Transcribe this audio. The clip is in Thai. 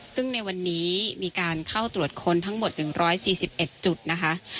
ซึ่งในวันนี้มีการเข้าตรวจคนทั้งหมดหนึ่งร้อยสี่สิบเอ็ดจุดนะคะ